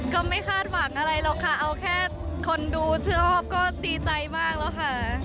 ก็ไม่คาดหวังอะไรหรอกค่ะเอาแค่คนดูชื่นชอบก็ดีใจมากแล้วค่ะ